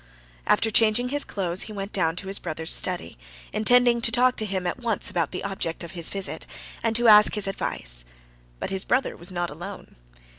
After changing his clothes he went down to his brother's study, intending to talk to him at once about the object of his visit, and to ask his advice; but his brother was not alone.